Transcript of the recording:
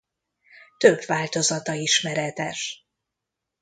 Több változata ismeretes.